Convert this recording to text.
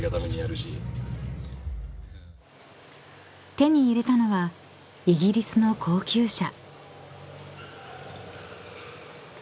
［手に入れたのはイギリスの高級車］